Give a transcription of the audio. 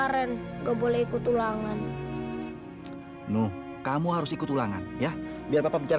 sekali lagi berisik gak akan mama ampunin